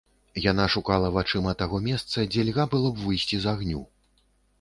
Яна шукала вачыма таго месца, дзе льга было б выйсці з агню.